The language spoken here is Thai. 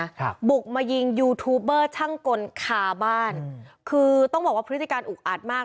ครับบุกมายิงยูทูบเบอร์ช่างกลคาบ้านคือต้องบอกว่าพฤติการอุกอัดมาก